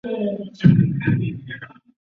派去镇压骚乱的士兵强迫市民离开道路。